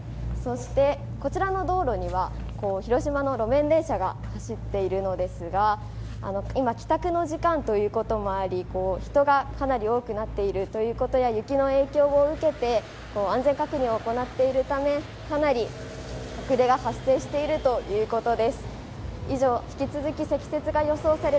こちらの道路には広島の路面電車が走っているのですが、今、帰宅の時間ということもあり、人がかなり多くなっているということや、雪の影響を受けて安全確認を行っているため、かなり遅れが発生しているということです。